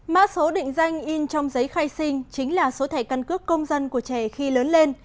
mã số định danh in trong giấy khai sinh chính là số thẻ căn cước công dân của trẻ khi lớn lên